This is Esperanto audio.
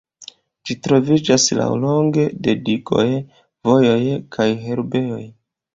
Ĝi troviĝas laŭlonge de digoj, vojoj kaj herbejoj.